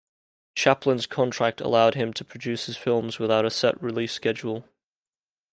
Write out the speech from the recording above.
Chaplin's contract allowed him to produce his films without a set release schedule.